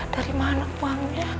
dari mana uangnya